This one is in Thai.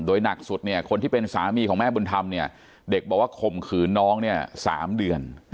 โดยหนักสุดเนี่ยคนที่เป็นสามีของแม่บุญธรรมเนี่ยเด็กบอกว่าข่มขืนน้องเนี่ย๓เดือน